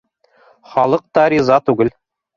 Халыҡ та риза түгел